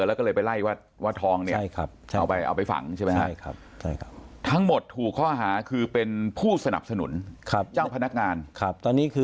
แล้วก็เลยไปไล่วัดทองนี่เอาไปฝังใช่ไหมครับ